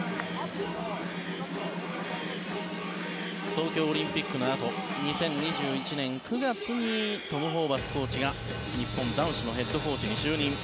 東京オリンピックのあと２０２１年９月にトム・ホーバスコーチが日本男子のヘッドコーチに就任。